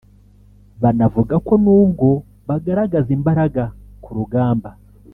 Banavuga ko n’ubwo bagaragaza imbaraga ku rugamba